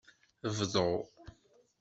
Bḍu.